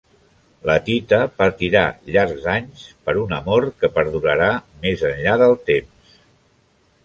La Tita patirà llargs anys per un amor que perdurarà més enllà del temps.